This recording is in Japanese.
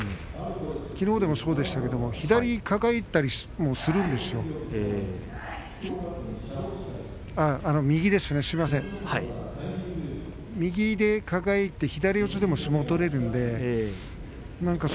きのうでもそうでしたけれど左を抱えにいったりもするんですよ右ですね、すみません右で抱えて左四つでも相撲を取れるので。